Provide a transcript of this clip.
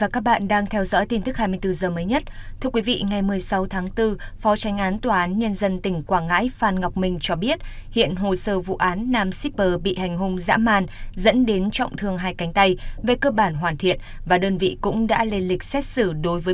cảm ơn các bạn đã theo dõi